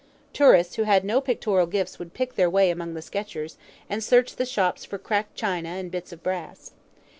Tourists who had no pictorial gifts would pick their way among the sketchers, and search the shops for cracked china and bits of brass.